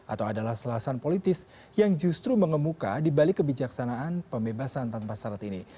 atau adalah selasan politis yang justru mengemuka di balik kebijaksanaan pembebasan tanpa syarat ini